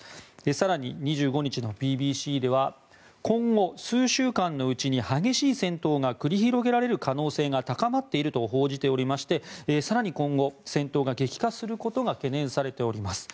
更に、２５日のＢＢＣでは今後、数週間のうちに激しい戦闘が繰り広げられる可能性が高まっていると報じておりまして更に今後戦闘が激化することが懸念されております。